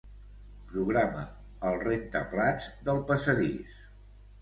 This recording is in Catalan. Programa el rentaplats del passadís.